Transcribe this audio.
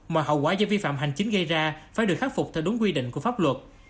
mà hậu quả do vi phạm hành chính gây ra phải được khắc phục theo đúng quy định của pháp luật